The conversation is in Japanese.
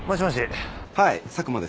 はーい佐久間です。